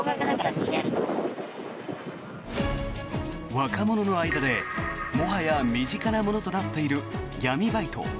若者の間でもはや身近なものとなっている闇バイト。